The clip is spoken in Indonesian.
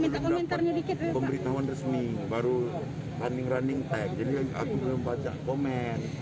belum dapat pemberitahuan resmi baru running running tag jadi aku belum baca komen